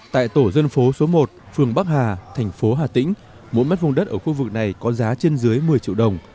tại tổ dân phố số một phường bắc hà thành phố hà tĩnh mỗi mét vuông đất ở khu vực này có giá trên dưới một mươi triệu đồng